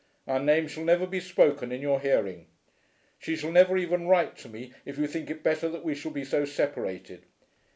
Our name shall never be spoken in your hearing. She shall never even write to me if you think it better that we shall be so separated."